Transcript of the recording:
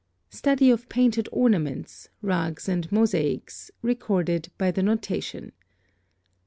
Study of painted ornament, rugs, and mosaics, recorded by the NOTATION.